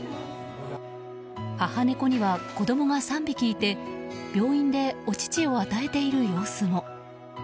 母猫には子供が３匹いて病院でお乳を与えている様子も。